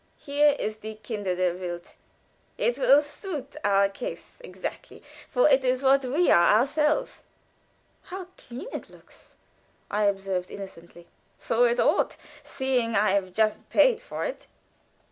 Here is 'Die Kinder der Welt;' it will suit our case exactly, for it is what we are ourselves." "How clean it looks!" I observed, innocently. "So it ought, seeing that I have just paid for it."